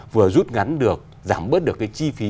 vừa rút ngắn được giảm bớt được cái chi phí